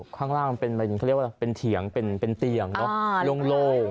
ข้างล่างมันเป็นเขาเรียกว่าเป็นเถียงเป็นเตียงโล่ง